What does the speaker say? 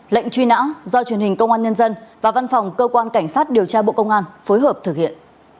lệnh truy nã do truyền hình công an nhân dân và văn phòng cơ quan cảnh sát điều tra bộ công an phối hợp thực hiện